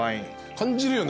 感じるよね？